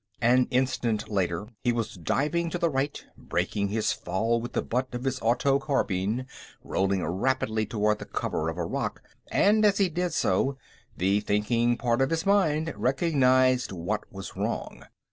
An instant later, he was diving to the right, breaking his fall with the butt of his auto carbine, rolling rapidly toward the cover of a rock, and as he did so, the thinking part of his mind recognized what was wrong.